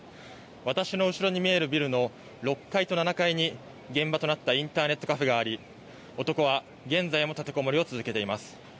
私の後ろに見えるビルの６階と７階に、現場となったインターネットカフェがあり、男は現在も立てこもりを続けています。